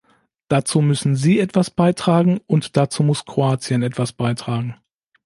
Dazu müssen Sie etwas beitragen, und dazu muss Kroatien etwas beitragen.